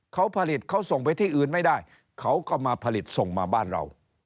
เขาผลิตเขาส่งไปที่อื่นไม่ได้เขาก็มาผลิตส่งมาบ้านเรา